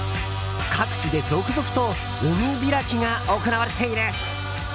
各地で続々と海開きが行われている。